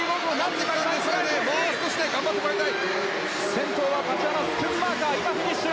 先頭はタチアナ・スクンマーカーフィニッシュ。